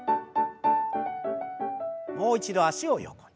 もう一度脚を横に。